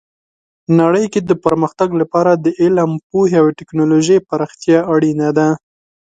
نړۍ کې د پرمختګ لپاره د علم، پوهې او ټیکنالوژۍ پراختیا اړینه ده.